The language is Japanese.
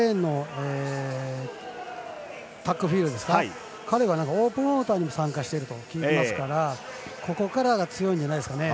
タックフィールド彼はオープンウォーターにも参加しているといいますからここからが強いんじゃないですか。